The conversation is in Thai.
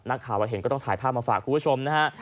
นักข่าวเราเห็นก็ต้องถ่ายภาพมาฝากคุณผู้ชมนะฮะ